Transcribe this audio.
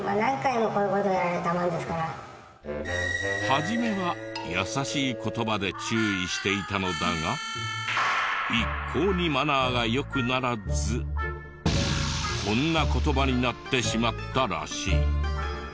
初めは優しい言葉で注意していたのだが一向にマナーが良くならずこんな言葉になってしまったらしい。